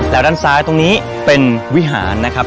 แล้วด้านซ้ายตรงนี้เป็นวิหารนะครับ